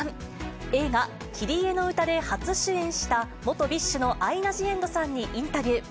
映画、キリエのうたで初主演した元ＢｉＳＨのアイナ・ジ・エンドさんにインタビュー。